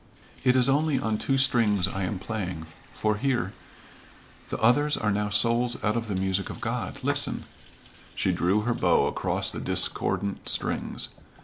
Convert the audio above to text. "It is only on two strings I am playing for hear? the others are now souls out of the music of God listen " she drew her bow across the discordant strings.